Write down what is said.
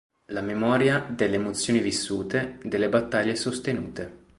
La memoria delle emozioni vissute, delle battaglie sostenute.